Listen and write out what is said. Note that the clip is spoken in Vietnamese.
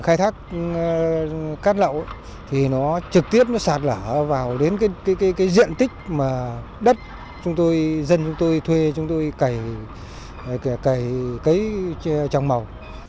khai thác cát lậu thì nó trực tiếp nó sạt lở vào đến cái diện tích mà đất chúng tôi dân chúng tôi thuê chúng tôi cầy cầy cấy trong màu